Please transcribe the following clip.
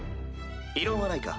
異論はないか？